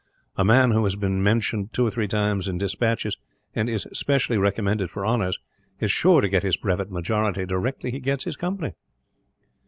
A man who has been mentioned two or three times in despatches, and is specially recommended for honours, is sure to get his brevet majority directly he gets his company."